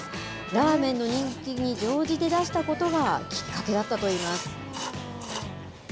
ラーメンの人気に乗じて出したことがきっかけだったといいます。